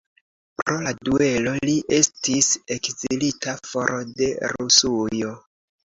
Pro la duelo li estis ekzilita for de Rusujo.